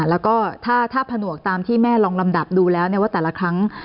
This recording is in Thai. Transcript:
แล้วก็ถ้าผนวกตามที่แม่ลองลำดับดูแล้วว่าแต่ละครั้ง